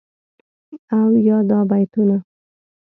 او یادا بیتونه..